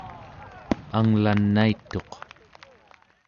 anglanaituq